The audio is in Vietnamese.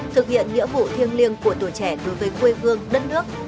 thực hiện nghĩa vụ thiêng liêng của tuổi trẻ đối với quê hương đất nước